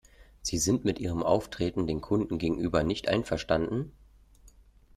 Sie sind mit ihrem Auftreten den Kunden gegenüber nicht einverstanden?